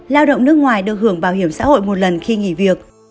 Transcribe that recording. lao động nước ngoài được hưởng bảo hiểm xã hội một lần khi nghỉ việc